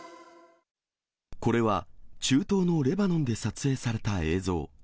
これは中東のレバノンで撮影された映像。